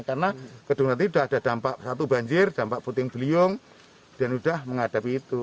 karena kedua dua itu sudah ada dampak satu banjir dampak puting beliung dan sudah menghadapi itu